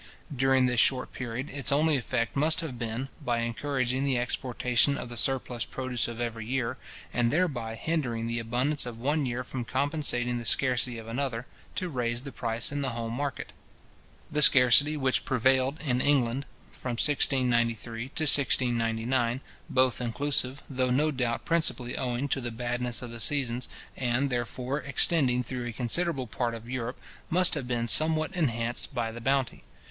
During this short period, its only effect must have been, by encouraging the exportation of the surplus produce of every year, and thereby hindering the abundance of one year from compensating the scarcity of another, to raise the price in the home market. The scarcity which prevailed in England, from 1693 to 1699, both inclusive, though no doubt principally owing to the badness of the seasons, and, therefore, extending through a considerable part of Europe, must have been somewhat enhanced by the bounty.